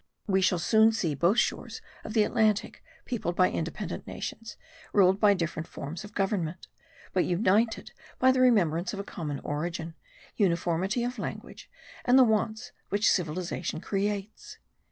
We shall soon see both shores of the Atlantic peopled by independent nations, ruled by different forms of Government, but united by the remembrance of a common origin, uniformity of language, and the wants which civilization creates.